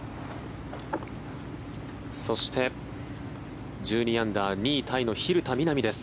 そして、１２アンダー２位タイの蛭田みな美です。